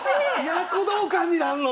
躍動感になるの？